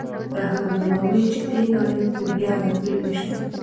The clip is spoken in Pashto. رحمان بابا وايي چې دې نړۍ ته بیا راتلل نشته.